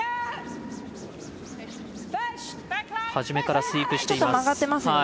初めからスイープしています。